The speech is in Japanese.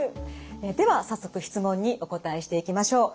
では早速質問にお答えしていきましょう。